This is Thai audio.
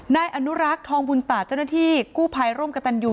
นายอนุรักษ์ทองบุญตาเจ้าหน้าที่กู้ภัยร่วมกับตันยู